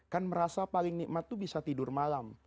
kan merasa paling nikmat itu bisa tidur malam